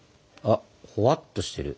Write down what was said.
ほわっとしてる。